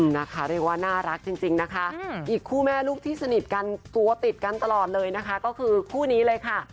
นะคะเรียกว่าน่ารักจริงนะคะอีกคู่แม่ลูกที่สนิทกันตัวติดกันตลอดเลยนะคะก็คือคู่นี้เลยค่ะ